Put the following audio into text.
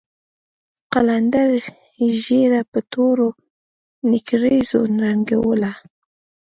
قلندر ږيره په تورو نېکريزو رنګوله.